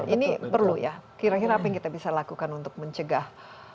ini perlu ya kira kira apa yang kita bisa lakukan untuk mencegah